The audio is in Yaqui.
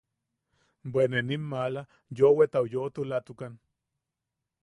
Bwe ne nim maala yoʼowetau yoʼotulatukan.